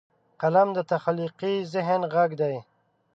قلم د تخلیقي ذهن غږ دی